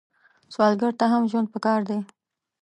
سوالګر ته هم ژوند پکار دی